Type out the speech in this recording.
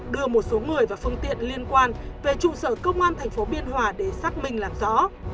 đưa một số người và phương tiện liên quan về trụ sở công an thành phố biên hòa để xác minh làm rõ